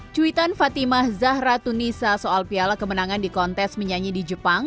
cuitan fatimah zahra tunisa soal piala kemenangan di kontes menyanyi di jepang